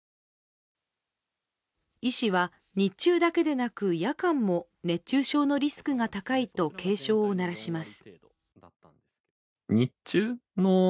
医師は、日中だけでなく夜間も熱中症のリスクが高いと警鐘を鳴らします。